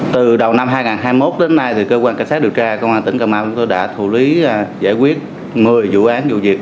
từ đầu năm hai nghìn hai mươi một đến nay cơ quan cảnh sát điều tra công an tỉnh cà mau chúng tôi đã thủ lý giải quyết một mươi vụ án vụ việc